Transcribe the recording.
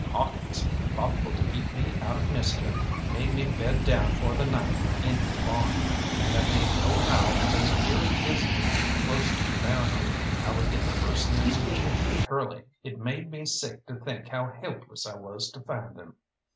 Hawkins, thoughtful to keep me out of mischief, made me bed down for the night in his barn; and I made no howl because here at Bisley, close to the boundary, I would get the first news of Jim and Curly. It made me sick to think how helpless I was to find them.